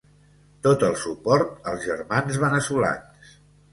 Tot el suport als germans veneçolans.